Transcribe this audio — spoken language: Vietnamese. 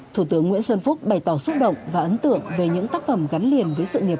thủ tướng nguyễn xuân phúc bày tỏ xúc động và ấn tượng về những tác phẩm gắn liền với sự nghiệp